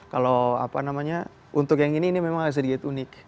kalau apa namanya untuk yang ini memang sedikit unik